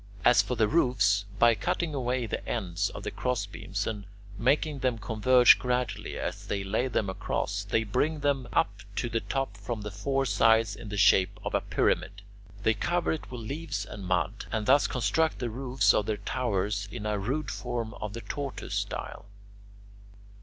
As for the roofs, by cutting away the ends of the crossbeams and making them converge gradually as they lay them across, they bring them up to the top from the four sides in the shape of a pyramid. They cover it with leaves and mud, and thus construct the roofs of their towers in a rude form of the "tortoise" style.